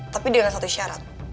tapi dengan satu syarat